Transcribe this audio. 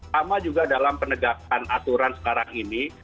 sama juga dalam penegakan aturan sekarang ini